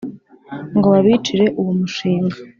ngo babicire uwo mushinga